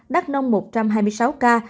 đắk nông một trăm hai mươi sáu ca